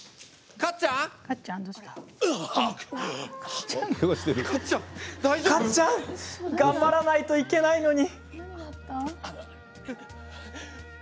カッちゃん頑張らないといけないのに。